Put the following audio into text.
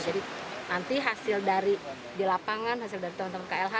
jadi nanti hasil dari di lapangan hasil dari teman teman klh